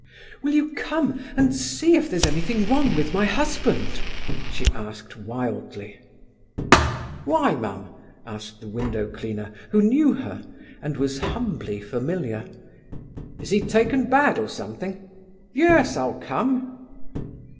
"Will you come and see if there's anything wrong with my husband?" she asked wildly. "Why, mum?" answered the window cleaner, who knew her, and was humbly familiar. "Is he taken bad or something? Yes, I'll come."